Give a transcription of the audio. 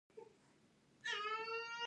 د قرغې جهیل اوبه له کومه راځي؟